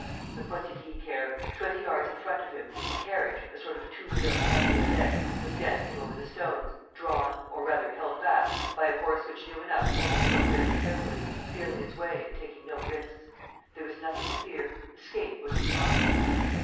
But what did he care! Twenty yards in front of him, the carriage, a sort of two wheeled cabriolet, was dancing over the stones, drawn, or rather held back, by a horse which knew enough only to go very carefully, feeling its way and taking no risks. There was nothing to fear; escape was impossible.